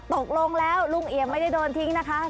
ตกลงแล้วลุงเอี่ยมไม่ได้โดนทิ้งนะคะ